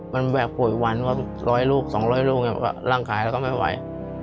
มันแวะผู้อีกวัน๑๐๐ลูก๒๐๐ลูกล่างขายแล้วก็ไม่ไหว